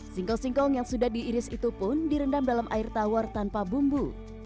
singkong singkong yang sudah diiris itu pun direndam dalam air tawar tanpa bumbu